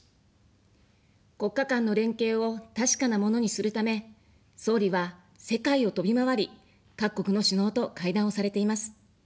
国家間の連携を確かなものにするため、総理は世界を飛び回り、各国の首脳と会談をされています。